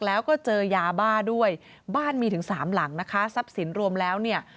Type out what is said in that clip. แล้วก็เจอยาบ้าด้วยบ้านมีถึงสามหลังนะคะทรัพย์สินรวมแล้วเนี่ย